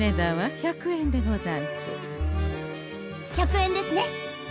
１００円ですね。